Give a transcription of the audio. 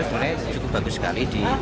sebenarnya cukup bagus sekali